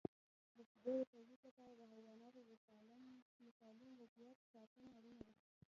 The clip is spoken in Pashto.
د شیدو د تولید لپاره د حیواناتو د سالم وضعیت ساتنه اړینه ده.